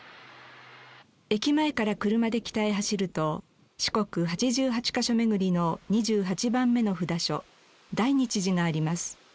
駅前から車で北へ走ると四国八十八ヶ所巡りの２８番目の札所大日寺があります。